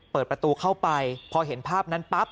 เปิดประตูเข้าไปพอเห็นภาพนั้นปั๊บ